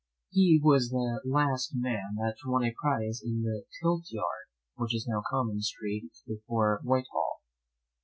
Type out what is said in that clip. He was the last man that won a prize in the tilt yard (which is now a common street before Whitehall).